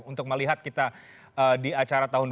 untuk melihat kita di acara tahun dua ribu dua puluh dua ini